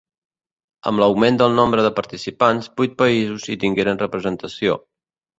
Amb l'augment del nombre de participants, vuit països hi tingueren representació.